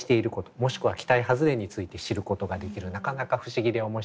もしくは期待外れについて知ることができるなかなか不思議で面白い絵本です。